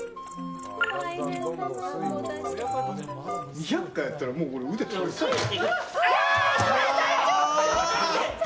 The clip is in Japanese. ２００回やったら俺、腕とれちゃうよ。